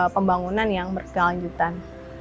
pembangunan yang berkelanjutan